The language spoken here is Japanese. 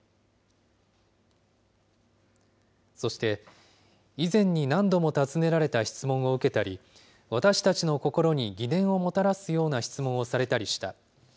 そして、以前に何度も尋ねられた質問を受けたり、私たちの心に疑念をもたらすような質問をされたりした。